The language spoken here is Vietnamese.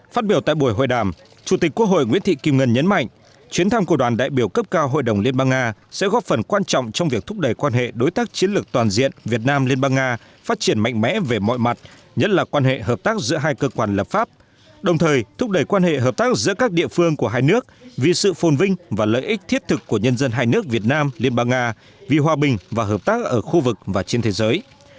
phát biểu tại buổi hội đàm chủ tịch quốc hội nguyễn thị kim ngân nhấn mạnh chuyến thăm của đoàn đại biểu cấp cao hội đồng liên bang nga sẽ góp phần quan trọng trong việc thúc đẩy quan hệ đối tác chiến lược toàn diện việt nam liên bang nga phát triển mạnh mẽ về mọi mặt nhất là quan hệ hợp tác giữa hai cơ quan lập pháp đồng thời thúc đẩy quan hệ hợp tác giữa các địa phương của hai nước vì sự phôn vinh và lợi ích thiết thực của nhân dân hai nước việt nam liên bang nga vì hòa bình và hợp tác ở khu vực và trên thế giới